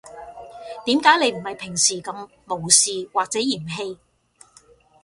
點解你唔係平時噉無視或者嫌棄